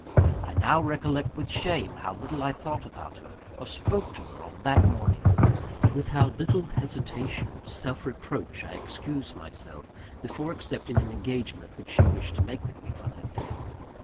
I now recollect with shame how little I thought about her, or spoke to her on that morning; with how little hesitation or self reproach I excused myself from accepting an engagement which she wished to make with me for that day.